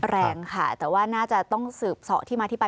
แรงค่ะแต่ว่าน่าจะต้องสืบเสาะที่มาที่ไป